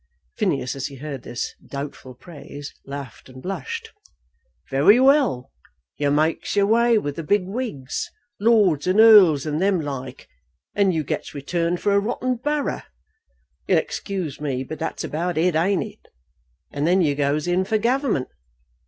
Phineas as he heard this doubtful praise laughed and blushed. "Very well; you makes your way with the big wigs, lords and earls and them like, and you gets returned for a rotten borough; you'll excuse me, but that's about it, ain't it? and then you goes in for government!